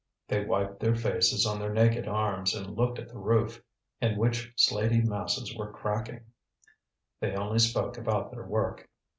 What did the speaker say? They wiped their faces on their naked arms and looked at the roof, in which slaty masses were cracking. They only spoke about their work.